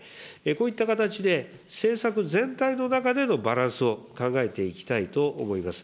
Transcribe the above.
こういった形で、政策全体の中でのバランスを考えていきたいと思います。